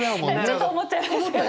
ちょっと思っちゃいました。